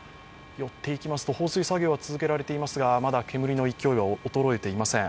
寄っていきますと、放水作業が続けられていますが、まだ煙の勢いは衰えていません。